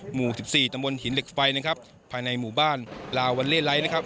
หมู่สิบสี่ตำบลหินเหล็กไฟนะครับภายในหมู่บ้านลาวัลเล่ไลท์นะครับ